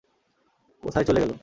কোথায় চলে গেলো?